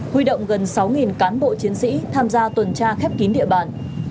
huy động gần sáu cán bộ chiến sĩ tham gia tuần tra khép kín địa bàn